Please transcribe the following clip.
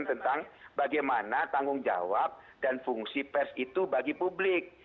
tentang bagaimana tanggung jawab dan fungsi pers itu bagi publik